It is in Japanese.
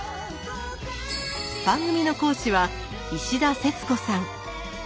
番組の講師は石田節子さん。